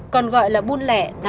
còn gọi là buôn lẹ